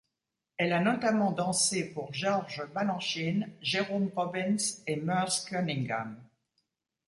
Elle a notamment dansé pour George Balanchine, Jerome Robbins et Merce Cunningham.